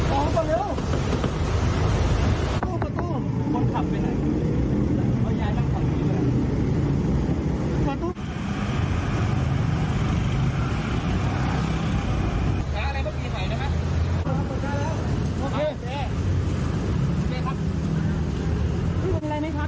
แล้วอะไรต้องกินใหม่นะครับโอเคโอเคครับมีอะไรมั้ยครับ